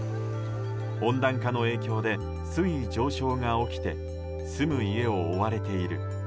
温暖化の影響で水位上昇が起きて住む家を追われている。